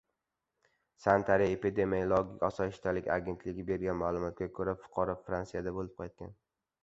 Sanitariya-epidemiologik osoyishtalik agentligi bergan ma’lumotga ko‘ra, fuqaro Fransiyada bo‘lib qaytgan.